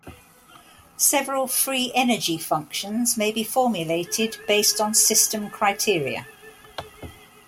Several free energy functions may be formulated based on system criteria.